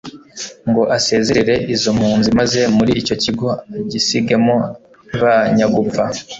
ngo asezerere izo mpunzi maze muri icyo kigo agisigemo ba nyagupfa